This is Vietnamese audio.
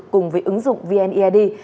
cùng với ứng dụng vneid